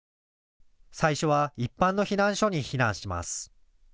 最初は一般の避難所に避難します。